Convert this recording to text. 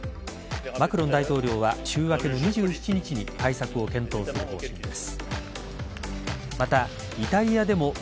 マクロン大統領は週明け２７日に対策を検討する方針です。